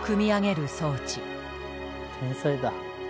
天才だ。